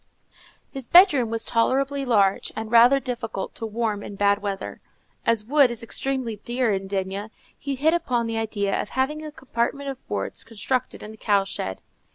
His bedroom was tolerably large, and rather difficult to warm in bad weather. As wood is extremely dear at D——, he hit upon the idea of having a compartment of boards constructed in the cow shed.